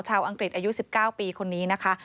อังกฤษอายุ๑๙ปีคนนี้นะคะ